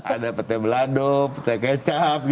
ada petai belado petai kecap